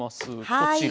こちら。